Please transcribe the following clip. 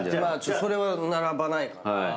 それは並ばないかな。